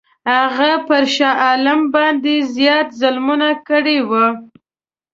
هغه پر شاه عالم باندي زیات ظلمونه کړي وه.